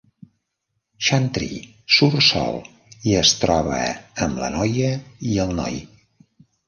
Chantry surt sol i es troba amb la noia i el noi.